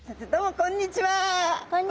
こんにちは！